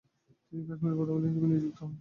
তিনি কাশ্মীরের প্রধানমন্ত্রী হিসাবে নিযুক্ত হন।